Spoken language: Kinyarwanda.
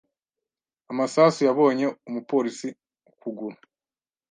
Amasasu yabonye umupolisi ukuguru.